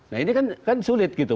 nah ini kan sulit gitu